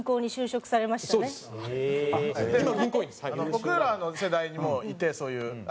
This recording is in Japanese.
僕らの世代にもいてそういう。